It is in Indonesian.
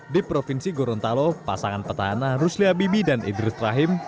di provinsi gorontalo pasangan petahana rusli habibi dan idrus rahim